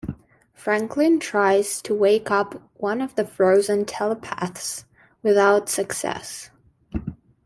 Franklin tries to wake up one of the frozen telepaths, without success.